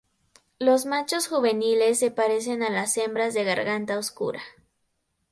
Los machos juveniles se parecen a las hembras de garganta oscura.